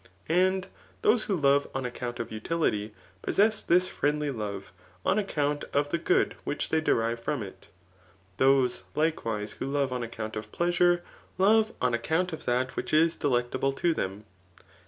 And those who love on account of utility, possess this friendly love on account of the good which they derive from it. Those, likewise, who love on account of pleasure, love on ac count of that which is delectable to them.